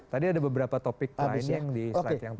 tadi ada beberapa topik lainnya yang di slide yang